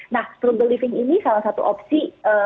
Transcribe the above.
nah struggling living ini salah satu opsi